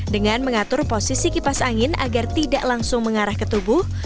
dengan mengatur posisi kipas angin agar tidak langsung mengarah ke tubuh